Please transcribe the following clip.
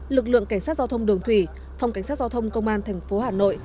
lực lượng cảnh sát giao thông đường thủy phòng cảnh sát giao thông công an thành phố hà nội